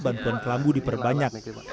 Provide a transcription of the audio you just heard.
bantuan kelambu diperbanyak